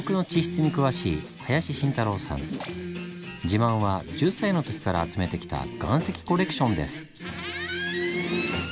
自慢は１０歳の時から集めてきた岩石コレクションです。